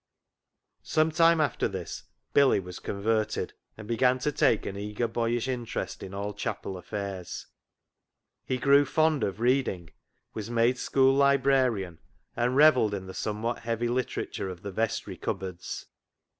Some time after this Billy was converted, and began to take an eager boyish interest in all chapel affairs. He grew fond of reading, was made school librarian, and revelled in the somewhat heavy literature of the vestry cup boards.